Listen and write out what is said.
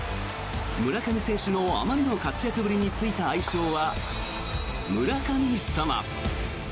村上選手のあまりの活躍ぶりについた愛称は村神様。